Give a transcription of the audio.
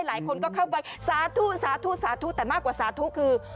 หลายคนก็เข้าไปสาทู่แต่มากกว่าสาทู่คือ